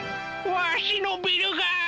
わしのビルが！